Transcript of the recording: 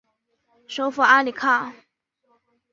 首府阿里卡。